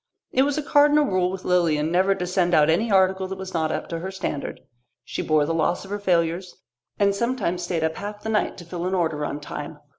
It was a cardinal rule with Lilian never to send out any article that was not up to her standard. She bore the loss of her failures, and sometimes stayed up half of the night to fill an order on time.